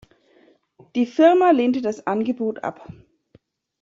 Die Firma lehnte das Angebot ab.